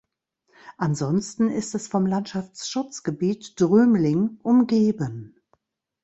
Ansonsten ist es vom Landschaftsschutzgebiet „Drömling“ umgeben.